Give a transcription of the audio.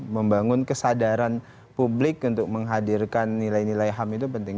membangun kesadaran publik untuk menghadirkan nilai nilai ham itu penting